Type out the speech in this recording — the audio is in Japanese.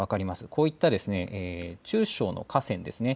こういった中小の河川ですね